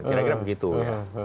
kira kira begitu ya